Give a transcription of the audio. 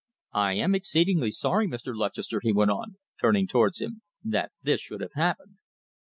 I am exceedingly sorry Mr. Lutchester," he went on, turning towards him, "that this should have happened."